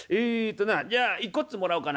じゃあ１個ずつもらおうかな。